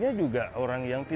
ya udah gini